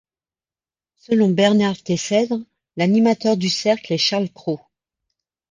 Selon Bernard Teyssèdre, l'animateur du cercle est Charles Cros.